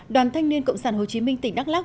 đoàn thanh niên cộng sản hồ chí minh tỉnh đắk lắc